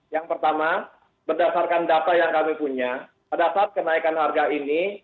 yang pertama berdasarkan data yang kami punya pada saat kenaikan harga ini